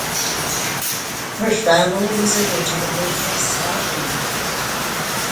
Her family was originally from Scotland.